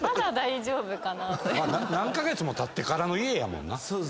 何カ月もたってからの家やもんな。